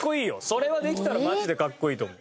それはできたらマジでかっこいいと思う。